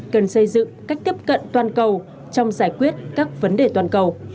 cần xây dựng cách tiếp cận toàn cầu trong giải quyết các vấn đề toàn cầu